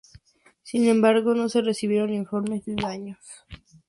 Sin embargo, no se recibieron informes de daños.